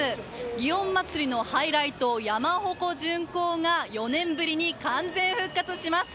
祇園祭のハイライト、山鉾巡行が４年ぶりに完全復活します。